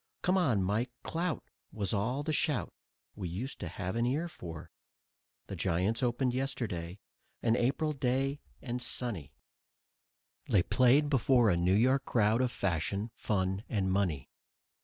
"Come on, Mike, clout!" was all the shout We used to have an ear for. The Giants opened yesterday, an April day and sunny; They played before a New York crowd of fashion, fun and money.